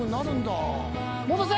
戻せ！